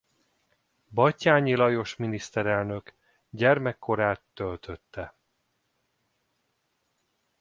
Batthyány Lajos miniszterelnök gyermekkorát töltötte.